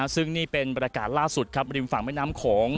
ซึ่งนี่เป็นบรรยากาศล่าสุดครับริมฝั่งแม่น้ำโขง